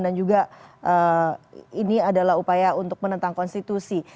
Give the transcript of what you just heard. dan juga ini adalah upaya untuk menentang konstitusi